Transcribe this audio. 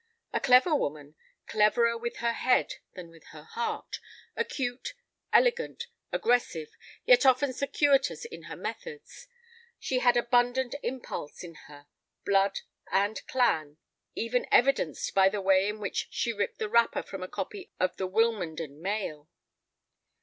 A clever woman, cleverer with her head than with her heart, acute, elegant, aggressive, yet often circuitous in her methods. She had abundant impulse in her, blood, and clan, even evidenced by the way in which she ripped the wrapper from a copy of the Wilmenden Mail.